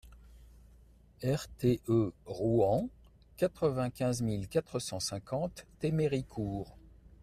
RTE ROUEN, quatre-vingt-quinze mille quatre cent cinquante Théméricourt